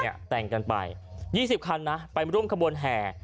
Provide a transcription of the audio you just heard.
แต่งกันไป๒๐คันนะไปร่วมขบวนแห่